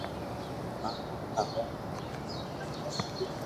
آج ھي ٺاوا ھي